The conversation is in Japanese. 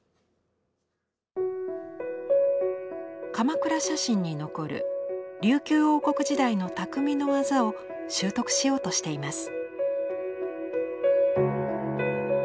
鎌倉写真に残る琉球王国時代の匠の技を習得しようとしています。